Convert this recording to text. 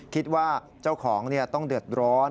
คิดว่าเจ้าของต้องเดือดร้อน